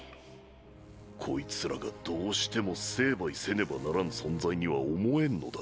こいつらがどうしても成敗せねばならん存在には思えんのだ。